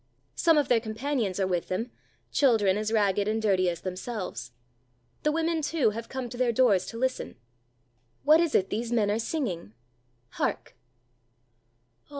Some of their companions are with them, children as ragged and dirty as themselves. The women, too, have come to their doors to listen. What is it these men are singing? Hark!